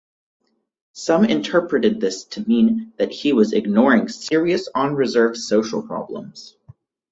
Some interpreted this to mean that he was ignoring serious on-reserve social problems.